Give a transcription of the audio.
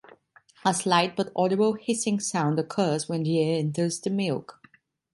A slight but audible hissing sound occurs when the air enters the milk.